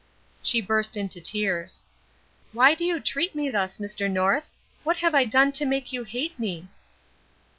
She burst into tears. "Why do you treat me thus, Mr. North? What have I done to make you hate me?"